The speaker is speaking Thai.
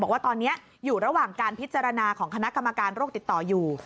บอกว่าตอนนี้อยู่ระหว่างการพิจารณาของคณะกรรมการโรคติดต่ออยู่